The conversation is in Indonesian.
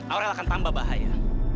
aurel akan tambah bahaya